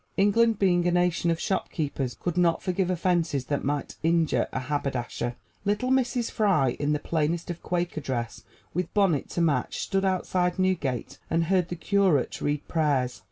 England being a nation of shopkeepers could not forgive offenses that might injure a haberdasher. Little Mrs. Fry, in the plainest of Quaker gray dress, with bonnet to match, stood outside Newgate and heard the curate read prayers.